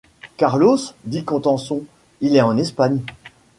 Carlos ! dit Contenson, il est en Espagne.